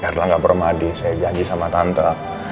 biarlah gak bermadi saya janji sama tante